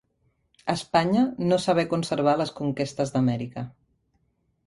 Espanya no sabé conservar les conquestes d'Amèrica.